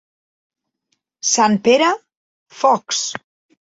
Sant Pere, focs.